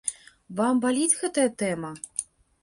Вам баліць гэтая тэма?